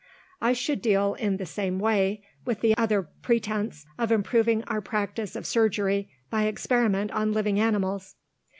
"I should deal in the same way, with the other pretence, of improving our practice of surgery by experiment on living animals.